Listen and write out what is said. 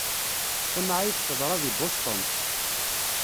Tamεayt teḍra deg Boston.